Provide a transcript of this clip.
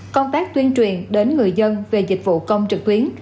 công tác tuyên truyền đến người dân về dịch vụ công trực tuyến